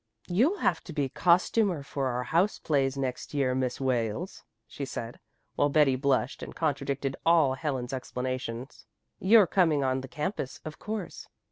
"You'll have to be costumer for our house plays next year, Miss Wales," she said, while Betty blushed and contradicted all Helen's explanations. "You're coming on the campus, of course."